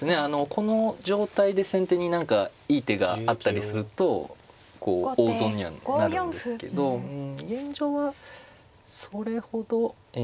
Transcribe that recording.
この状態で先手に何かいい手があったりするとこう大損にはなるんですけど現状はそれほどえ